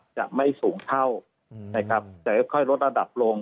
จะไม่สูงเท่านะครับจะค่อยลดระดับลง